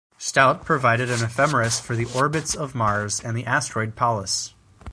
Staudt provided an ephemeris for the orbits of Mars and the asteroid Pallas.